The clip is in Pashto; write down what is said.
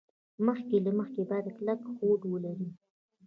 مخکې له مخکې باید کلک هوډ ولري.